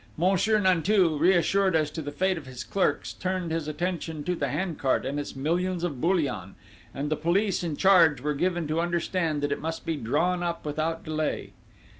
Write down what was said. "Monsieur Nanteuil, reassured as to the fate of his clerks, turned his attention to the hand cart and its millions of bullion, and the police in charge were given to understand that it must be drawn up without delay.